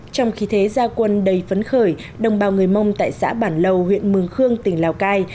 trong khi thế gia quân đầy phấn khởi đồng bào người mông tại xã bản lầu huyện mường khương tỉnh lào cai